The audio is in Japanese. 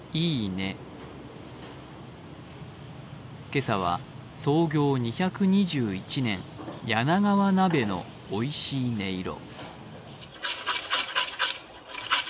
今朝は創業２２１年、柳川なべのおいしい音色。